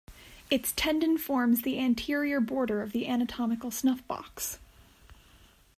Its tendon forms the anterior border of the anatomical snuffbox.